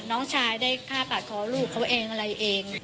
น้องชายได้ฆ่าปาดคอลูกเขาเองอะไรเอง